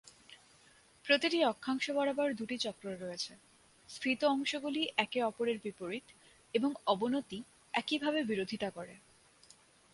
প্রতিটি অক্ষাংশ বরাবর দুটি চক্র রয়েছে, স্ফীত অংশগুলি একে অপরের বিপরীত, এবং অবনতি একইভাবে বিরোধিতা করে।